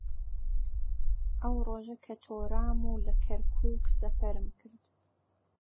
ئەو ڕۆژە کە تۆرام و لە کەرکووک سەفەرم کرد